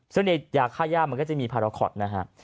ซึ่งในยาค่าย่ามันก็จะมีพาราคอตนะฮะ